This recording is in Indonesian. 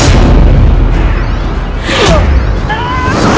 aku tidak percaya